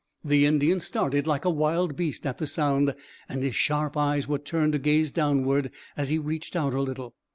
The Indian started like a wild beast at the sound, and his sharp eyes were turned to gaze downward as he reached out a little.